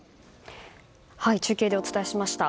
中継でお伝えしました。